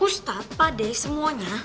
ustaz pak dei semuanya